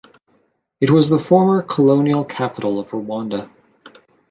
It was the formal colonial capital of Rwanda.